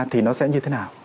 thì nó sẽ như thế nào